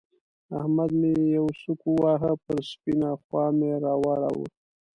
احمد مې يوه سوک وواهه؛ پر سپينه خوا مې را واړاوو.